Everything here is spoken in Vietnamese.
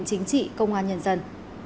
học viện chính trị công an nhân dân